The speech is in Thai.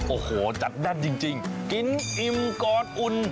โอ้โหจัดแน่นจริงกินอิ่มก่อนอุ่น